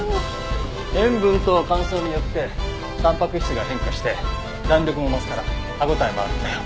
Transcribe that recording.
塩分と乾燥によってたんぱく質が変化して弾力も増すから歯応えもあるんだよ。